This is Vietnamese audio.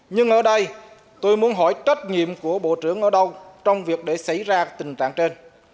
nhưng ở đây tôi muốn hỏi trách nhiệm của bộ trưởng ở đâu trong việc để xảy ra tình trạng trên